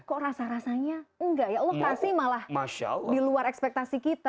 kok rasa rasanya enggak ya allah pasti malah di luar ekspektasi kita